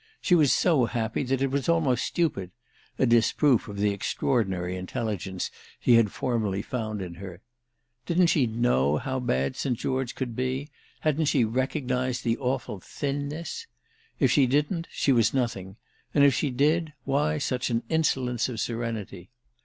She was so happy that it was almost stupid—a disproof of the extraordinary intelligence he had formerly found in her. Didn't she know how bad St. George could be, hadn't she recognised the awful thinness—? If she didn't she was nothing, and if she did why such an insolence of serenity?